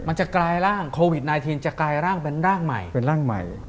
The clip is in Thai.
จะกลายร่างโควิด๑๙จะกลายร่างเป็นร่างใหม่เป็นร่างใหม่